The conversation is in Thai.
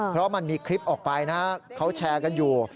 เพราะมันมีคลิปออกไปนะเขาแชร์กันอยู่